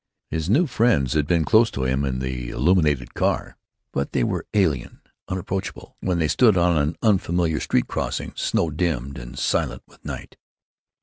His new friends had been close to him in the illuminated car, but they were alien, unapproachable, when they stood on an unfamiliar street crossing snow dimmed and silent with night.